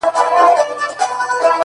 حروف د ساز له سوره ووتل سرکښه سوله;